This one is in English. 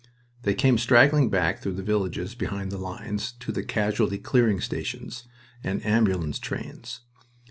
They came straggling back through the villages behind the lines to the casualty clearing stations and ambulance trains.